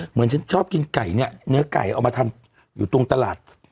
เหมือนฉันชอบกินไก่เนี่ยเนื้อไก่เอามาทำอยู่ตรงตลาด